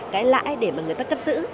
cái lãi để mà người ta cất giữ